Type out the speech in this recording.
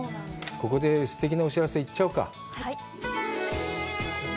ここですてきなお知らせ行っちゃおうか。